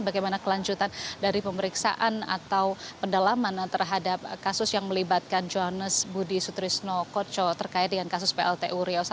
bagaimana kelanjutan dari pemeriksaan atau pendalaman terhadap kasus yang melibatkan johannes budi sutrisno koco terkait dengan kasus plt uriau satu